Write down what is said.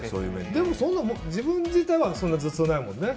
でもそんなに自分自体は頭痛ないもんね。